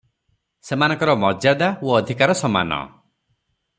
ସେମାନଙ୍କର ମର୍ଯ୍ୟାଦା ଓ ଅଧିକାର ସମାନ ।